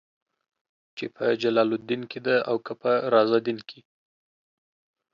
چې په جلال الدين کې ده او که په رازالدين کې.